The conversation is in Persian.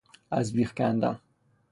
از بیخ کندن